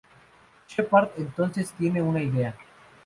Sheppard entonces tiene una idea.